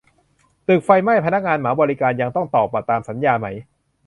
ตึกไฟไหม้ พนักงานเหมาบริการยังต้องตอกบัตรตามสัญญาไหม ?